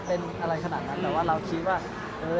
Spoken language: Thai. แต่ชีวิตถ้าครอบครัวก็ต้องดูแลเขาให้ได้